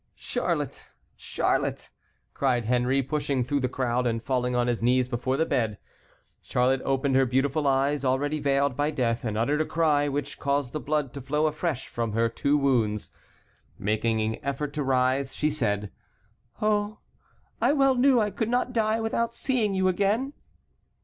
"Charlotte! Charlotte!" cried Henry, pushing through the crowd and falling on his knees before the bed. Charlotte opened her beautiful eyes, already veiled by death, and uttered a cry which caused the blood to flow afresh from her two wounds. Making an effort to rise, she said: "Oh! I well knew I could not die without seeing you again!"